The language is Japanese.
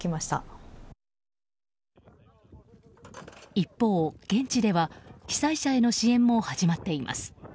一方、現地では被災者への支援も始まっています。